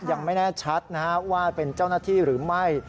ยังไม่แน่ชัดนะฮะว่าเป็นเจ้าหน้าที่หรือไม่